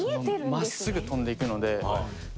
真っすぐ飛んでいくので。